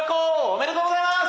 おめでとうございます！